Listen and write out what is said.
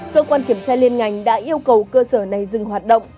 cơ quan kiểm tra liên ngành đã yêu cầu cơ sở này dừng hoạt động